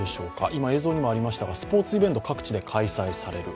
今映像にもありましたがスポーツイベント、各地で開催される。